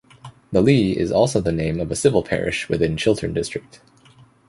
The Lee is also the name of a civil parish within Chiltern District.